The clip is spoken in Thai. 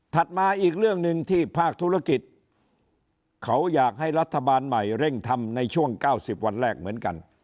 มาอีกเรื่องหนึ่งที่ภาคธุรกิจเขาอยากให้รัฐบาลใหม่เร่งทำในช่วง๙๐วันแรกเหมือนกัน